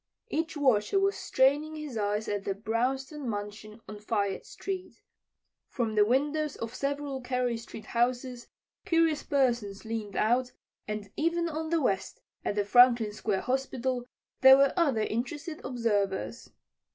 Each watcher was straining his eyes at the brownstone mansion on Fayette street. From the windows of several Carey street houses curious persons leaned out, and even on the west, at the Franklin Square Hospital, there were other interested observers.